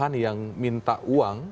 yang bertahan yang minta uang